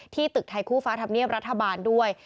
ตึกไทยคู่ฟ้าธรรมเนียบรัฐบาลด้วย